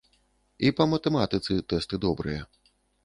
І па матэматыцы тэсты добрыя.